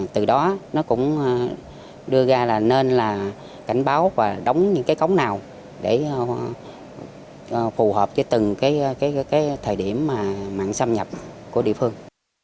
từ đó nó cũng đưa ra là nên là cảnh báo và đóng những cái cống nào để phù hợp với từng cái thời điểm mà mặn xâm nhập của địa phương